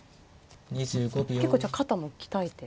結構じゃあ肩も鍛えて。